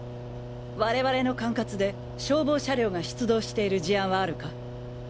我々の管轄で消防車両が出動している事案はあるか？